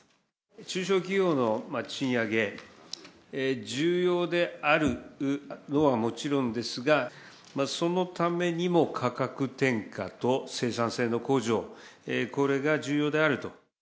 中小企業の賃上げ、重要であるのはもちろんですが、そのためにも価格転嫁と生産性の向上、これが重要であると。